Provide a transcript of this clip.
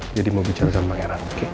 jadi mau bicara sama pangeran oke